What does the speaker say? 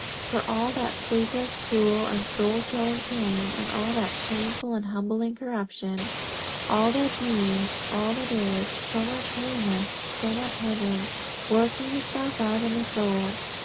For, all that sleepless, cruel, and soul killing pain, and all that shameful and humbling corruption, all that means, all that is, so much holiness, so much heaven, working itself out in the soul.